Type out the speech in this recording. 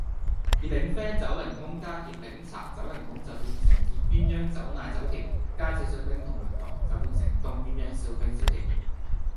熱檸啡走檸檬加熱檸茶走檸檬就變成熱鴛鴦走奶走甜，加少少冰同埋糖就變成凍鴛鴦少冰少甜